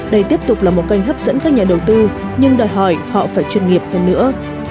đây tiếp tục là một kênh hấp dẫn các nhà đầu tư nhưng đòi hỏi họ phải chuyên nghiệp hơn nữa